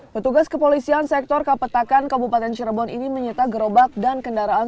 petugas kepolisian sektor kapetakan kabupaten cirebon ini menyita gerobak dan kendaraan